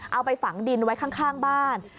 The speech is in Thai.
เอาไปฝังดินไว้ข้างบ้าน